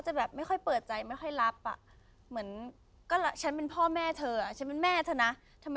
พ่อแม่แล้วเปิดโลกไม่ใช่หนูเราต้องเปิดโลกเลยแจ๊ะ